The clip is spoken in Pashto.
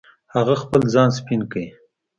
هغه خپل ځان سپین کړ.